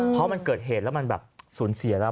เพราะมันเกิดเหตุแล้วมันแบบสูญเสียแล้ว